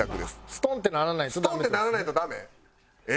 ストンってならないとダメですね。